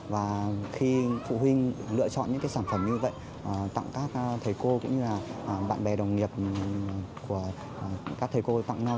và khi phụ huynh lựa chọn những sản phẩm như vậy tặng các thầy cô cũng như là bạn bè đồng nghiệp của các thầy cô tặng nhau